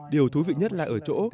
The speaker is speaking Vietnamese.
điều thú vị nhất là ở chỗ